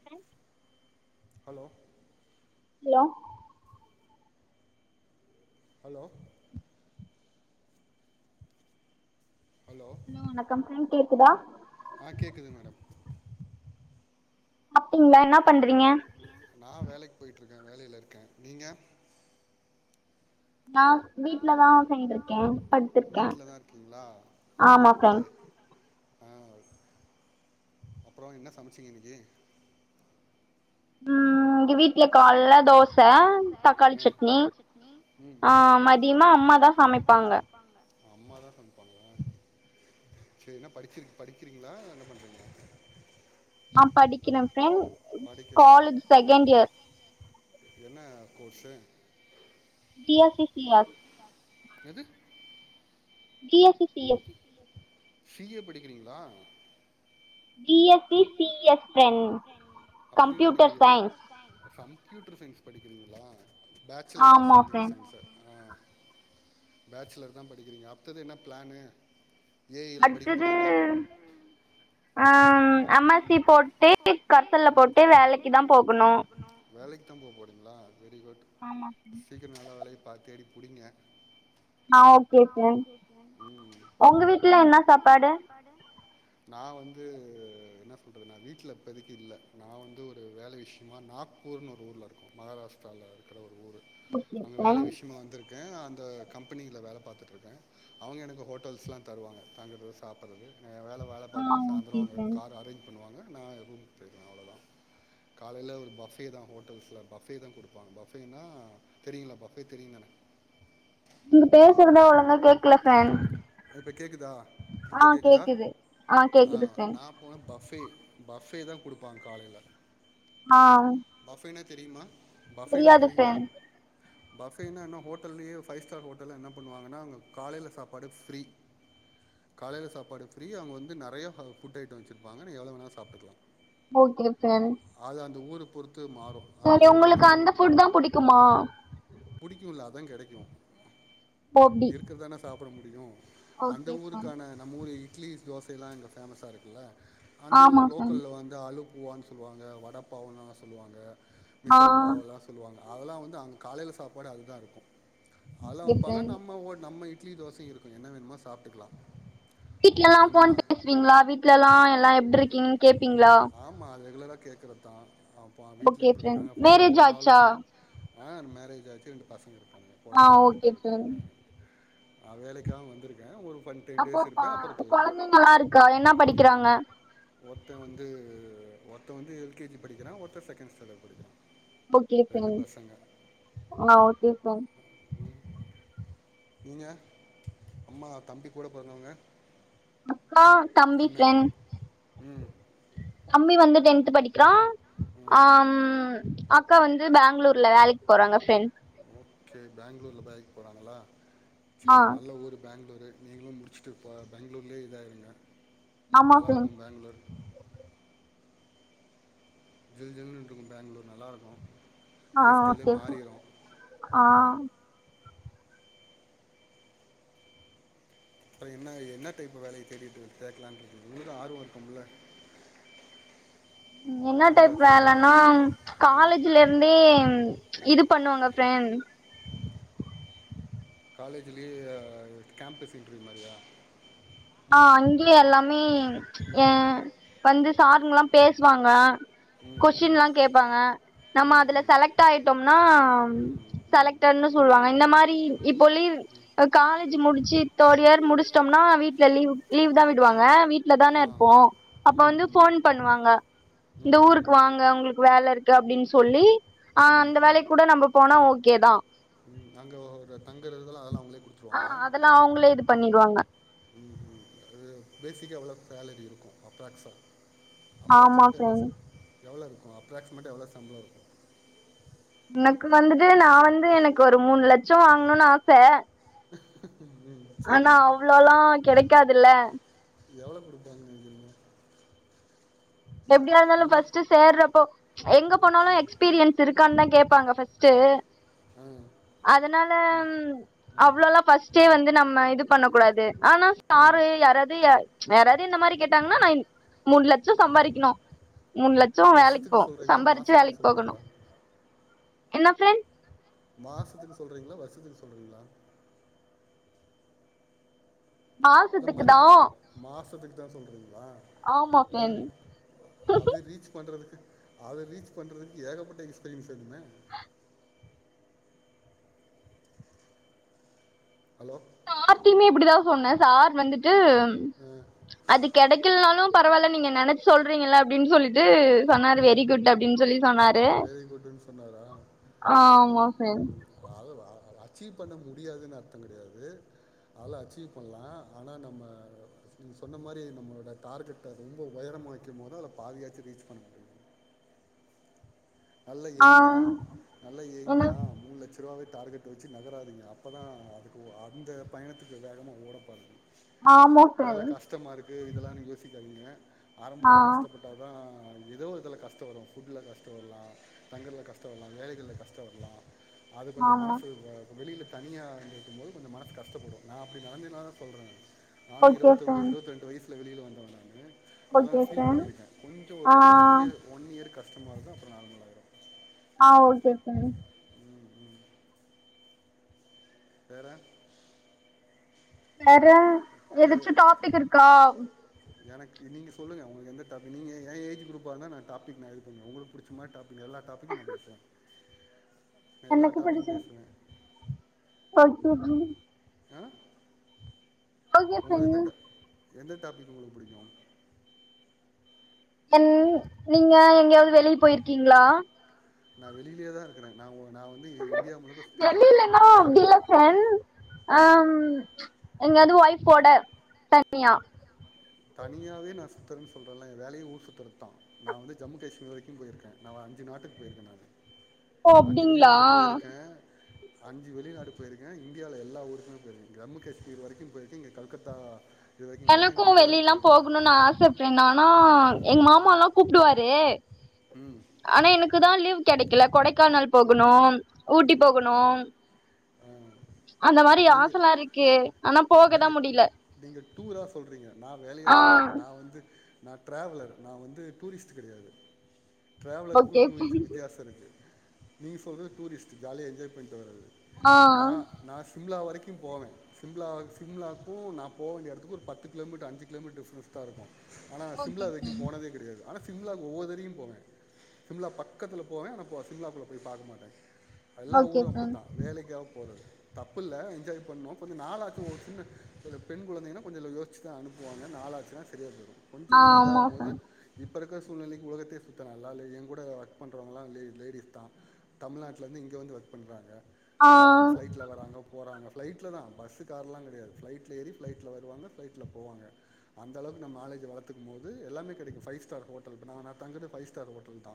sir hello hello hello hello வணக்கம் sir கேக்குதா அஹ் கேக்குது மேடம் அப்பிடிங்களா என்னா பண்றீங்க ட்ருக்கே வேலையில இருக்கே நீங்க நா நா வீட்டு்லதா வீட்ல தா சேந்திருக்கே உக்காந்துருக்கே படுத்திருக்க வீட்ல தா இருக்கீங்களா ஆமா சார் ஆஹ் அப்புறோ என்ன சமச்சிங்க இன்னிக்கி ம் ங்வி சட்னி ம் ஆ ஆஹ் மதியமா அம்மாதா சமைப்பாங்க சமைப்பாங்ளா செர் என்ன படிச்சிரு படிக்கிறீங்ளா என்ன பண்றீங்க ஆ படிக்கிறே சர் காலெஜ் செகண்ட் இயர் என்னா course B S C C C S S C C எது B S C C S CA படிக்கிறீங்ளா B S C C S friend அப்படினா எனக் computer science computer science படிக்கிறீங்ளா bachelor of ஆமா computer friend சயின்ஸா ஆஹ் bachelor தா படிக்கிறீங்க அட்த்தது என்னப் ப்ளானு ஏ ஐ எல்லா படிக்க போறீங்ளா ஆஹ்ம் எம் எஸ் சி போட்டு போட்டு கர்சல்ல போட்டு கப்பல்ல வேலக்கி தா போகணு த்தாம் போ போறிங்ளா வெரி குட் ஆமா ஃப்ரெண்ட் சீக்கிரம் நல்ல வேலை பா தேடி புடிங்க ஆ ஓகே ஆ, ஃப்ரெண்ட் ஓகே ஃப்ரெண்ட் ஒங்க வீட்ல என்ன சாப்பாடு நா வந்து அது என்ன சொல்றது நா வீட்ல இப்பதிக்கு இல்ல, நா வந்து ஒரு வேல விஷ்யமா நாக்பூர்னு ஒரு ஊர்லருக்கோ மகாராஷ்ட்ராலருக்கற ஒ ரு ஊரு ஓகே அங்க வேல ஃப்ரெண்ட் விஷ்யமா வந்துருக்கே அ ந்த கம்பெனில வேல பாத்துட்ருக்கே அவங்க எனக்கு ஹோட்டல்ஸ்லா தருவாங்க தங்கறது சாப்பட்றது ஆ ஓகே ஃப்ரெண்ட் காரு ஆரேஞ்ச் பண்ணுவாங்க நா எ ரூம்க்கு போயிருவே அவ்ளோதா காலையில ஒரு பஃபே தா ஹோட்டல்ஸ்ல பஃபே தா குடுப்பாங்க பஃபேனா தெரியுல பஃபே தெரியுந்தான நீங்க பேசறதே ஒழுங்கா கேக்கல ஃப்ரெண்ட இப்ப கேக்குதா இப்ப ஆ கேக்குதா கேக்குது ஆ கேக்குது ஃப்ரெண்ட் ஆ போனா பஃபே பஃபே தா குடுப்பாங்க காலைல ஆ பஃபேனா தெரியுமா பஃபேனா தெரியாது தெரியுமா ஃப்ரெண்ட் பஃபேனா என்ன ஹோட்டல்லயே ஃபை ஸ்டார் ஹோட்டல்ல என்ன பண்ணுவாங்கன்னா அங்க காலைல சாப்பாடு ஃப்ரீ காலையில சாப்பாடு ஃப்ரீ அவங்க வந்து நறைய ஹவ் ஃபுட் ஐட்டோ வச்சிருப்பாங்க நீங்க எவ்ளோ வேணாலு சாப்டுக்லா ஓகே ப்ரெண்ட் போது சேரி உங்களுக்கு அந்த புட் தா புடிக்குமா புடிக்கு இல்ல அதா கெடைக்கு ஓ அப்டி இருக்குறதான சாப் பட முடியு அந்த ஓகே ஃப்ரெண்ட் ஊருக்கான நம்ம ஊரு இட்லி தோசல்லா அங்க பேமஸ்சா இருக்குல அந்த ஊர் ஆமா ஃப்ரெண்ட் லோக்கல்ல வந்து அலு பூவான்னு சொல்லுவாங்க வட பாவுன்லா சொல்லுவாங்க ஆ மிசல் பாவலா சொல்லுவாங்க அதெல்லா வந்து அங்க காலைல சாப்பாடு அதுதா இருக்கு அதலா ஓகே வெப்பாங்க ஃப்ரெண்ட் நம்ம ஒ நம்ம இ இட்லி தோச இருக்கு என்ன வேணுமோ சாப்டுக்லா வீட்லல்லா ஃபோன் பேஸ்விங்ளா வீட்லல்லா எல்லா எப்ட்ரிக் கிங் கேப்பிங்ளா கேக்றதா அப்பொ வீட்ல எப்டி இருக்காங்க ஃபாலோ மேரேஜ் பண்ணாலு ஆச்சா ஆ மேரேஜ் ஆச்சு ரெண்டு பச ஆஹ் ஓகேசார் ஆ வேலைக்காக வந்துருக்கே ஒரு ஃபன் டென் அப்போ டேஸ் பா இருப்பேன் அப்புறம் போயிடுவேன் கொழந்தைங்கல்லா இருக்கா என்னா படிக்குறாங்க ஒருத்தெ வந்து ஒருத்தெ வந்து எல்கேஜி படிக்கிறா ஒருத்தெ செகண்ட் ஸ்டான்டர்ட் படிக்கிறா ஓகே ஃபிரண்ட் ஆஹ் ஓகே ஃபிரண்ட் நீங்க அம்மா தம்பி கூட பொறந்தவங்க கா தம்பி ஃப்ரெண்ட் ம் தம்பி வந்து டென்த் படிக்றா ம் ஆம் அக்கா வந்து பேங்ளூர்ல வேலைக் போறாங்க ஃப்ரெண்ட் ஓகே பேங்ளூர்ல வேலைக்கு போறாங்ளா ஆ சேரி நல்ல ஊர் பேங்ளூர் நீங்களும் முடிச்சுட்டுப்போ பேங்களூர்லே இதாயிருங்க ஆமா நல்லா ஃப்ரெண்ட் இருக்கு பேங்களூர் ஜில் ஜில்னு இருக்கு பேங்களூர் நல்லாருக்கு ஆஹ் ஓகே ஆஹ் அப்புறோ என்ன என்ன டைப் வேலைய தேடிட்டு தேட்லான்ட்டு இருக் [unintelligible] ஆர்வம் இருக்குல்ல என்ன டைப் வேலைன்னா ம் காலேஜ்ல இருந்தே இது ம் பண்ணுவாங்க ஃபிரெண்ட் காலேஜ்லயே கேம்பஸ் இன்ட்ர்யூ மாரியா ஆஹ் அங்கயே எல்லாமே ஏ ம் வந்து சாருங்கல்லா பேசுவாங்க ம் கொஷின் ம் எல்லா கேப்பாங்க நம்ம ம் அதுல ம் செலக்ட் ஆயிட்டோம்னா ம் ம் செலக்டட்னு சொல்வாங்க இந்த மாரி இப்போ லீவ் காலேஜ் முடிச்சு தேர்ட் இயர் முடிச்சிட்டோம்னா வீட் லீவ் லீவ் தா விடுவாங்க வீட்ல தானே ஆ இருப்போ அப்ப ம் வந்து ம் ம் போன் பண்ணுவாங்க இந்த ம் ம் ஊருக்கு வாங்க உங்களுக்கு வேல இருக்கு அப்டினு ஸ் சொல்லி ஆ உம் அந்த உம் வேலைக்கு கூட நம்ம போனா ஓகே தா உம் அங்க ஒரு தங்கறதல்லா அதெல்லா அவங்களே கொடுத்துருவாங்களா ஆஹ் அதெல்லா அவங்களே இது பண்ணிடுவாங்க ம் ம் அ பேசிக்கா எவ்வளோ சேலரி இருக்கு அப்ராக்சா ஆமா அப்ரா்ஸிமேட்ட எளோ ச ஃப்ரெண்ட் எவ்ள இரு அப்ராக்சிமேட்டாக எவ்வளோ சம்பளம் இருக்கும் எனக்கு வந்துட்டு நான் வந்து எனக்கு ஒரு மூணு லட்சம் வாங்கணும்னு ஆசை [inaudible] ஆனா சரி அவ்ளோல்லாம் கிடைக்காதுல்ல எவ்வளோ கொடுப்பாங்கரீங்க எப்படியா இருந்தாலும் பஸ்ட் சேர்றப்போ எங்க போனாலும் எக்ஸ்பீரியன்ஸ் இருக்கு க்கான் தான் கேப்பாங்க ஃபர்ஸ்ட்டு ஆ அதனால அவ்வளவுல்லாம் பஸ்ட்டே வந்து நம்ம இது பண்ண கூடாது ஆனா ம் சாரு யாராது யாராவது இந்த மாரி கேட்டாங்கன்னா நான் மூண லட்சம் சம்பாதி மூணு லட்சம் வேலைக்கு வருஷத்துக்கு போம் சொல்கிறீங்களா சம்பாரிச்சு மாதத்துக்கு வேலைக்கு போகணும் சொல்கிறீங்களா என்ன பிரெண்ட் மாசத்துக்கு சொல்றீங்களா வருஷத்துக்கு சொல்றீங்களா இல்லை மாசத்துக்கு மந்த்து தான் மாதத்துக்கு தான் சொல்றீங்க ஆ ஆ அது ரீச் பண்றதுக்கு அதை ரீச் பண்றதுக்கு ஏகப்பட்ட எக்ஸ்பீரியன்ஸ் வேணுமே ஹலோ சார்த்தியுமே இப்படிதான் சொன்னேன் சார் வந்துட்டு ம் அது கிடைக்கலனாலும் பரவாயில்ல நீங்க நினைச்சு சொல்றீங்கள அப்படின்னு சொல்லிட்டு சொன்னாரு வெரி ம் குட் அப்டின்னு சொல்லி சொன்னாரு வெரி குட்ன்னு சொன்னாரா ஆமா ம் ஃப்ரெண்ட் ம் அத அச்சீவ் பண்ண முடியாதுன்னு அர்த்தம் கிடையாது அதெல்லாம் அச்சீவ் பண்ணலாம் ஆனால் நம்ம நீங்கள் சொன்ன மாரி நம்மளோடய டார்கெட்டை ரொம்ப உயரமாக வைக்கும் போத அதில் பாதாச்சு ரீச் பண்ணும் நல்லா ஆ எயிம் தான் நல்லா எயீம் என்ன தான் மூணு லட்ச ரூபாவ டார்கெட் வச்சு நகராதிீங்க அப்பதான் அதுக்கு அந்த பயணத்துக்கு வேகமா ஓடப்பாதுங்க ஆமா வேலை ஃப்ரெண்ட் கஷ்டமா இருக்கு இதெல்லாம் நீ யோசிக்காதீங்க ஆ ஆரம்பத்தில் கஷ்டப்பட்டால் தான் ஏதோ ஒரு இதல கஷ்ட வரும் ஃபுட்டில் கஷ்டம்ரலாம் தங்கல கஷ்டப்படலாம் வேலைகள்ல கஷ்டப்படலாம் அது கொஞ்சம் ஆமா மனசு வெளியில தனியாக இருக்கும்து கொஞ்சம் மனதுு கஷ்டப்படும் நான் அடி நடந்து்சதுன்னால தான் சொல்றேன் நானும் ஓகே இருபத்தின்பது ஃப்ரெண்ட் இருபத்த ரண்டு வயசுல வெளியில போனாங்க அதெல்லா ஓகே ஃபீல் ஃப்ரெண்ட் பண்ணியிருக்கேன் கொஞ்சோ ஒரு ஆ த்ரீ இயர் ஒன் இயர் கஷ்ட கஷமாக இருக்கு அப்புற நார்மல் ஆயிரு ஆஹ் ஓகே சார் வேற வேற வேற எதாச்சும் டாபிக் இருக்கா எனக்கு நீங்க சொல்லுங்க உங்களுக்கு எந்த டாபிக் நீங்கள் ஏ ஏஜ் குரூப்பாக இருந்தா நான் டாபிக் நான் இது பண்ணுவேன் உங்களுக்கு புடிச்ச மாறி டாபிக் எல்லா டாப்பிக்கும் நான் பேசுவேன் நான் எல்லா எனக்கு டாபிக்கும் புடிச்ச பேசுவேன் [unintelligible] [unintelligible] ஆ ஓகே உங்களுக்கு எந்த ஃப்ரெண்ட் டா எந்த டாபிக் உங்களுக்கு புடிக்கும் என் நீங்க எங்கயாவது வெளிய போயிருக்கீங்களா நான் வெளியிலேயே தான் இருக்கிறேன் நான் உ வெளிலைனா ஆ அப்படியில்ல ஃபிரண்ட் ஆ ம் உம் எங்கயாவது ஒய்ப் வோட தனியா தனியாவே நாஸ் த்திருன் சொல்றல்ல வேலையே ஊர் சுத்துறத்தா நா வந்து ஜம்மு காஷ்மீர் வரைக்கும் போயிருக்கே நான் வ அஞ்சு நாட்டுக் போய்ர்க்கே நானு ஓ அஞ்சு அப்டிங்ளா வெளிநாடு போயிருக்கேன் அஞ்சு வெளிநாடு போயிர்க்கே இந்தியால எல்லா ஊருக்குமே போயிர்க்கே ஜம்மு காஷ்மீர் வரைக்கு போய்ர்க்கே இங்கே கல்கத்தா இதுவரைக்கு பேய்ர்க்கே குஜராத் போயிருக்கேன் போகணுன் ஆசப்ரென் ஆனா எங்க மாமாலா ஆ கூப்டுவாரு ம் ஆனா எனக்கு தா லீவ் கெடைக்குல கொடைக்கானல் போகுணு உம் உம் அஹ் அந்த மாரி நீங்க ஆசல்லா இருக்கு ஆனா போகதா நீங்க முடியல நீங்க டூரா சொல்றீங்க நா வேலையா ஆ சொல்ற நா வந்து நா ட்ராவுலர் நா வந்து டூரிஸ்ட்டு கெடயாது டிராவலருக்கு ஓகே டூரிஸ்க்கு வித்தியாச இருக்கு நீங்க சொல்றது டூரிஸ் ஜாலியா என்ஜாய் பண்ட்டு வரது ஆ நா நா சிம்லா வரை க்கி போவே சிம்லா சிம்லாக்கு நா போ வேண்டிய எடத்துக்கு ஒரு பத்து கிலோமீட்டர் அஞ்சு கிலோமீட்டர் டிஸ்னஸ்தா இருக்கு ஆனா ஓகே சிம்லா இது வரைக்கு ஃப்ரெண்ட் போனதே கிடயாது ஆனா சிம்லாக்கு ஒவ்வொதரையு போவே சிம்லா பக்கத்துல போவே ஆனா போ சிம்லாக்குள்ள போய் பாக்க மாட்டே எல்லா ஓகே ஊரு ஃப்ரெண்ட் அப்டித்தா வேலைக்கா போறது தப்புல்ல என்ஜாய் பண்ணோ கொஞ்சு நாலாச்சு ஒரு சின்ன ஒரு பெண் கொழந்தையினா கொஞ்சல யோச்சுதா அனுப்புவாங்க நாலாச்சுனா சரியா போய்டு கொஞ்சோ ஆ நீங்க ஆமா இதாகுமோது ஃப்ரெண்ட் இப் இப்ப இருக்க சூழ்நெலைக்கு உலகத்தே சுத்தலால அதுல என் கூட ஒர்க் பண்றவங்களா லே லேடிஸ்தா தமிழ்நாட்ல இருந்து இங் கு வந்து ஒர்க் பண்றாங்க ஆ அ வராங் ஃப்ளைட்ல வராங்க போறாங்க ஃபிளைட்லதா பஸ்ஸு கார்லா கெடயாது ஃபிளைட்ல ஏறி ஃபிளைட்ல வருவாங்க ஃபிளைட்ல போவாங்க அந்தளவுக்கு நம் நாலேஜ வளத்துக்குமோது எல்லாமே கெடைக்கு ஃபை ஸ்டார் ஹோட்டல் இப்ப நா நா தங்குறது ஃபை ஸ்டார் ஹோட்டல் தா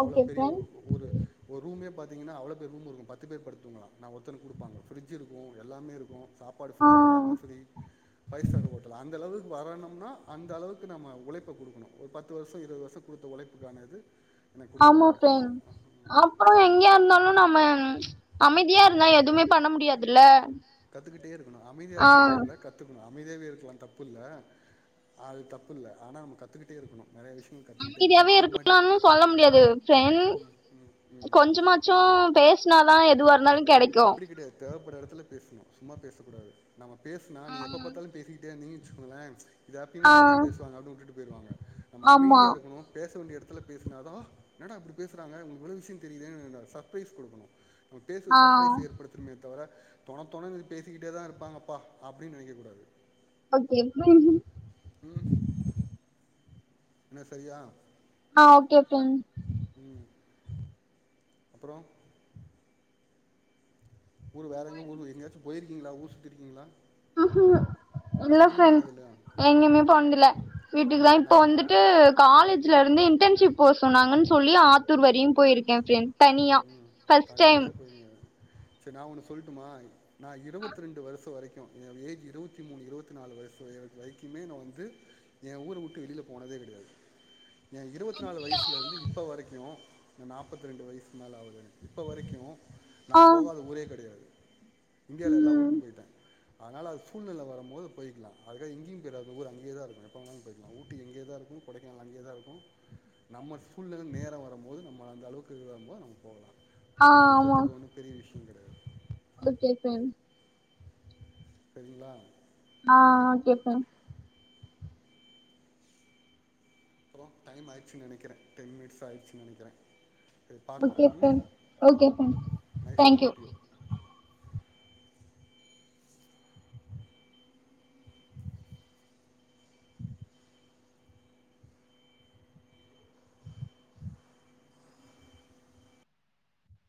அவ்ளோ ஓகே பெரிய ஒ ஃப்ரெண்ட் ஒரு ஒரூமே பாத் தீங்கனா அவ்ளோ பெரிய ரூம் இருக்கு பத்து பேர் படுத் தூங்களா நா ஒருத்தனுக் குடுப்பாங்க ஃப்ரிட்ஜ் இருக்கு எல்லாமே இருக்கு சாப்பாடு ஃப்ரீ ஆ எல்லாமே ஃப்ரீ ஃபை ஸ்டார் ஹோட்டல் அந்தளவு வரணும்னா அந்த அளவுக்கு நம்ம உழைப்ப குடுக்குணு ஒர் பத்து வர்ஷோ இருவது வர்ஷோ குடுத்த ஒழைப்புக்கான இது எனக்கு ஆமா கொடுக்குறாங்க ஃப்ரென் அப்போ நீங் இங்யா இருந்தாலு நம்ம அமைதியா இருந்தா எதுமே பண்ண முடியாதுல்ல கத்துக்கிட்டே இருக்குணு அமைதியா ஆ இருக்குறது இல்ல கத்துக்குனு அமைதியாவே இருக்குலா தப்புல்ல அது தப்புல்ல ஆனா நம்ம கத்துகிட்டே இருக்குணு அமைதியாவே இருக்குலானு சொல்ல முடியாது ஃப்ரென் ம் ம் கொஞ்சமாச்சோ பேஸ்னா தா எதுவா இருந்தாலுங் கெடைக்கு தேவப்பட்ற எடத்துல பேஸ்ணு சும்மா பேசக்கூடாது நம்ம பேஸ்னா நீ எப்ப பாத்தாலு பேசிக்கிட்டே இருந்திங் சொல்லே இத எப்பியுமே ஆ அப்டித்தா பேஸ்வாங்க அப்டியே உட்டுட்டு பொய்டுவாங்க நம்ப ஆமா அமிதியா இருக்குனு பேச வேண்டிய எடத் துல பேஸ்னாதா என்னடா இப்டி பேசுறாங்க இவ்ங்ளுக்கு விஷ்யம் தெரியுதே என்னடா சர்ப்ரைஸ் குடுக்கணு நம்ம பேச ஆ சப் ப்ரைச ஏற்படுத்துனுமேத் தவர தொணத்தொணனு இது பேசிக்கிட்டே தா இருப்பாங்கப்பா அப்டின் நெனைக்கக் கூடாது ஓகே ஃப்ரண்ட் உம் என்ன சரியா ஆ ஓகே ஓகேங் ம் அப்றோ ஊரு வேறெங்கா ஊர்ல எங்காச்சு போயிருக்கீங்களா ஊர் சுத்திருக்கீங்களா ம்ஹு இல்ல எங்கேயு ஃப்ரெண்ட் போனதில்லையா எங்கியுமே போனதில்ல வீட்டுக்குதான் இப்ப நா வந்துட்டு காலேஜ்ல இருந்து இன்டென்ஷிப் போ சொன்னாங்னு சொல்லி ஆத்தூர் வரியும் போயிருக்கேன் ஃப்ரெண்ட் தனியா ஃபஸ்ட் டைம் செரி நா ஒண்ணு சொல்ட்டுமா நா இருவத்து ரெண்டு வருஷ வரைக்கு ம் ஏ ஏஜ் இருவத்தி மூணு இருவத்து நாலு வயசு வைக்குமே நா வந்து ஏ ஊரவுட்டு வெளில போனதே கெடயாது ஏ இருவத்து நாலு வயிஸ்ல இருந்து இப்போ வரைக்கு நா நாப்பத்து ரெண்டு வயசு நல்லாவுது இப்போ வரைக்கும் நா ஆ போகாத ஊரே கெடயாது இந்தியால எல்லா ம் ஊருக்கும் பொயிட்ட அதனால அது சூழ்நில வர போது போய்கிலாம் அதுக்காக எங்கியும் பெய்றாது அந்த ஊரு அங்கேதா இருக்கும் எப்போவோனாலும் போய்க்லாம் ஊட்டி எங்கேதான் கொடைக்கானல் அங்கேதா இருக்கும் நம்ம சூழ்நில நேரம் வரம்போது நம்ம அந்த அளுவுக்கு வரும்போ நம் ப்போல ஆ அது ஊர் ஆமா சுத்தறது ஒன்னு பெரிய வி ஷ்யங்கெடயாது ஓகே இப்ப எந்த் செரிங்லா ஆ கேப்ப அப்பறோ டைம் ஆய்ச்சினு நெனக்கிற டென் மினிட்ஸ் ஆய்ச்சினு நெனக்கிற okay friend okay sir nice to thank you meet you